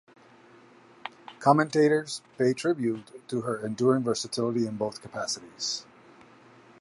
Commentators pay tribute to her enduring versatility in both capacities.